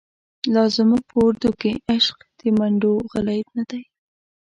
لازموږ په ارادوکی، عشق دمنډوغلی نه دی